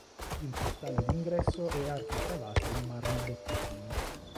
Il portale d'ingresso é architravato in marmo Botticino.